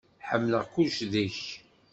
Ḥemmleɣ kullec deg-k.